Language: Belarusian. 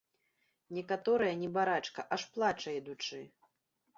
Некаторая, небарака, аж плача ідучы.